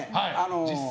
実際。